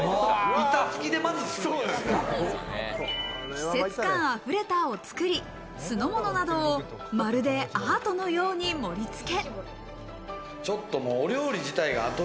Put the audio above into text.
季節感あふれたお造り、酢のものなどを、まるでアートのように盛り付け。